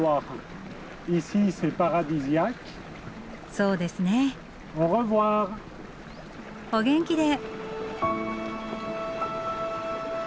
そうですね。お元気で。